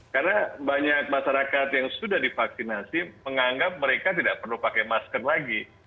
karena banyak masyarakat yang sudah divaksinasi menganggap mereka tidak perlu pakai masker lagi